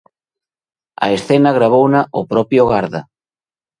A escena gravouna o propio garda.